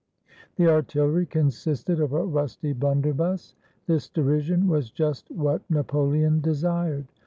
The artillery consisted of a rusty blunderbuss. This derision was just what Napoleon desired.